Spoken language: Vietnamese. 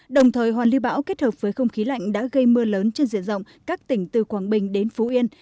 đồng thời hoàn lưu bão kết hợp với không khí lạnh đã gây mưa lớn trên diện rộng các tỉnh từ quảng bình đến phú yên